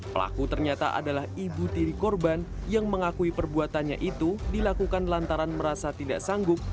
pelaku ternyata adalah ibu tiri korban yang mengakui perbuatannya itu dilakukan lantaran merasa tidak sanggup